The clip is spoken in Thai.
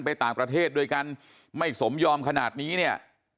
ไปต่างประเทศด้วยกันไม่สมยอมขนาดนี้เนี่ย